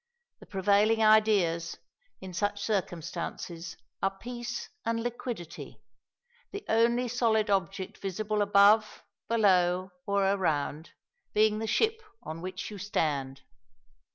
The prevailing ideas in such circumstances are peace and liquidity! the only solid object visible above, below, or around, being the ship on which you stand.